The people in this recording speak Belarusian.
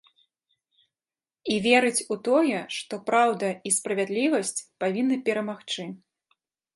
І верыць у тое, што праўда і справядлівасць павінны перамагчы.